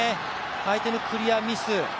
相手のクリアミス。